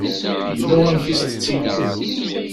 Yella wamek i s-tettili.